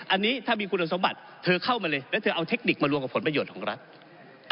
อันนี้ถ้ามีคุณสมบัติเธอเข้ามาเลยแล้วเธอเอาเทคนิคมารวมกับผลประโยชน์ของรัฐ